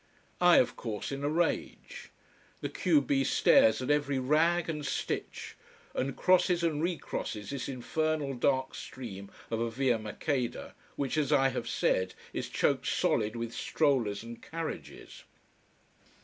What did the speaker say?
I, of course, in a rage. The q b stares at every rag and stitch, and crosses and re crosses this infernal dark stream of a Via Maqueda, which, as I have said, is choked solid with strollers and carriages.